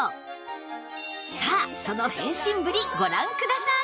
さあその変身ぶりご覧ください！